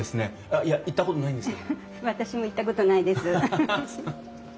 私も行ったことないです。